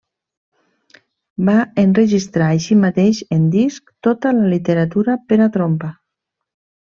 Va enregistrar així mateix en disc tota la literatura per a trompa.